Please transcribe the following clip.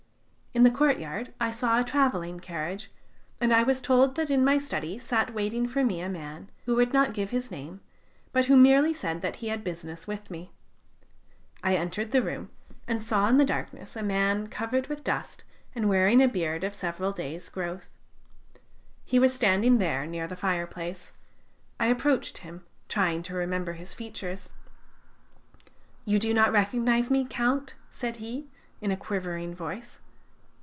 In the courtyard I saw a travelling carriage, and I was told that in my study sat waiting for me a man, who would not give his name, but who merely said that he had business with me. I entered the room and saw in the darkness a man, covered with dust and wearing a beard of several days' growth. He was standing there, near the fireplace. I approached him, trying to remember his features. "'You do not recognize me, Count?' said he, in a quivering voice.